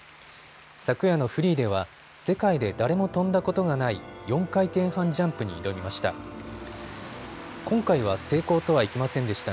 昨夜のフリーでは世界で誰も跳んだことがない４回転半ジャンプに挑みました。